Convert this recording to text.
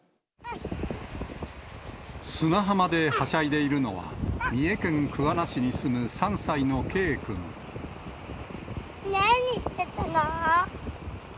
砂浜ではしゃいでいるのは三何してたの？